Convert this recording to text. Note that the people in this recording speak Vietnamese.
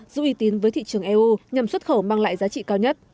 giữ uy tín với thị trường eu nhằm xuất khẩu mang lại giá trị cao nhất